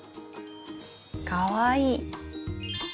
かわいい。